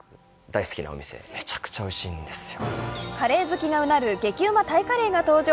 カレー好きがうなる激うまタイカレーが登場、